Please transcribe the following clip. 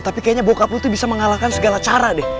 tapi kayaknya bokap itu bisa mengalahkan segala cara deh